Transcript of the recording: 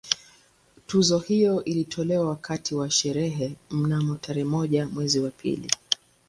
Tuzo hiyo ilitolewa wakati wa sherehe mnamo tarehe moja mwezi wa pili